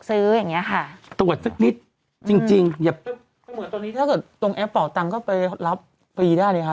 ก็เหมือนตอนนี้ถ้าเกิดตรงแอปเป่าตังก็ไปรับฟรีได้เลยค่ะ